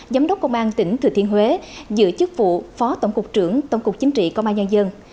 giám đốc công an tỉnh thừa thiên huế giữ chức vụ phó tổng cục trưởng tổng cục chính trị công an nhân dân